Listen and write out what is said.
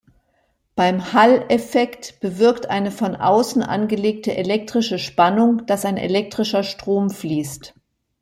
Beim Hall-Effekt bewirkt eine von außen angelegte elektrische Spannung, dass ein elektrischer Strom fließt.